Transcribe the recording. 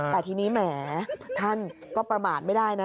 แต่ทีนี้แหมท่านก็ประมาทไม่ได้นะ